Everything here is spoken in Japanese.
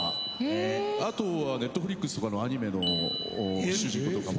あとはＮｅｔｆｌｉｘとかのアニメの主人公とかも。